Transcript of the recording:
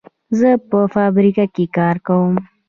زه په فابریکه کې کار کوم.